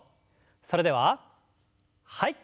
それでははい。